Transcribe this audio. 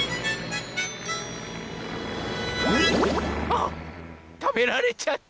あったべられちゃった！